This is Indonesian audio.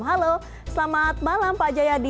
halo selamat malam pak jayadi